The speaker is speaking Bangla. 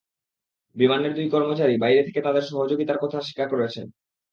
বিমানের দুই কর্মচারী বাইরে থেকে তাঁদের সহযোগিতার করার কথা স্বীকার করেছেন।